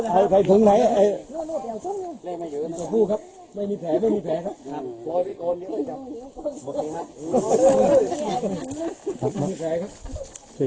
ตัวอีโชยออกมาแล้วครับตัวที่๑